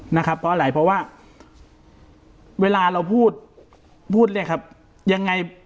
นะครับเพราะอะไรเพราะว่าเวลาเราพูดพูดเนี่ยครับยังไง